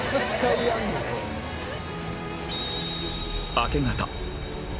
明け方